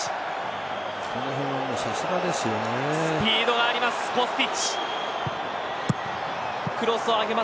スピードがありますコスティッチ。